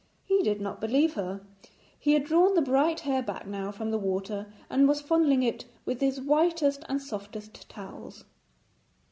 He did not believe her. He had drawn the bright hair back now from the water, and was fondling it with his whitest and softest towels.